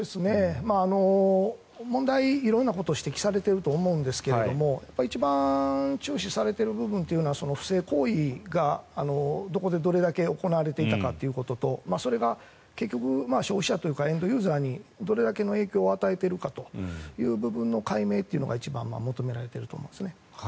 問題、色んなことを指摘されていると思うんですが一番注視されている部分というのは、不正行為がどこでどれだけ行われていたかということとそれが結局、消費者というかエンドユーザーにどれだけの影響を与えているかという部分の解明が一番求められていると思いますね。